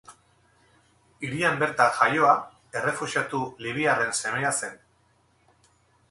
Hirian bertan jaioa, errefuxiatu libiarren semea zen.